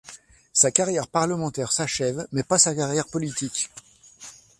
Sa carrière parlementaire s'achève, mais pas sa carrière politique.